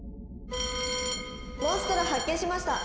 「モンストロ発見しました」。